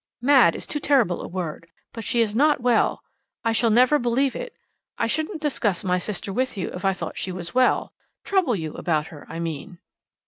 'Mad' is too terrible a word, but she is not well. I shall never believe it. I shouldn't discuss my sister with you if I thought she was well trouble you about her, I mean."